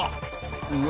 うわ！